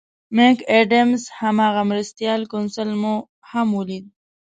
مک اډمز هماغه مرستیال کونسل مو هم ولید.